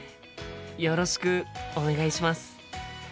よろしくお願いします。